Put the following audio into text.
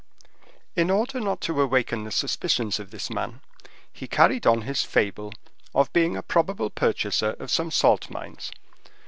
In order not to awaken the suspicions of this man, he carried on his fable of being a probable purchaser of some salt mines.